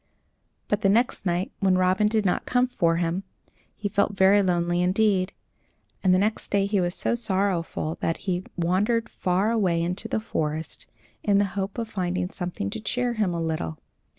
But the next night, when Robin did not come for him, he felt very lonely indeed, and the next day he was so sorrowful that he wandered far away into the forest, in the hope of finding something to cheer him a little.